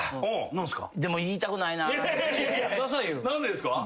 何でですか？